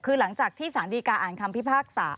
คือหลังจากที่สารดีการอ่านคำพิพากษา